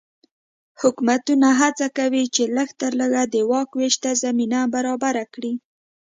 حکومتونه هڅه کوي چې لږ تر لږه د واک وېش ته زمینه برابره کړي.